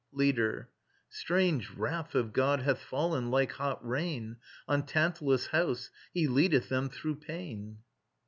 LEADER. Strange wrath of God hath fallen, like hot rain, On Tantalus' house: he leadeth them through pain.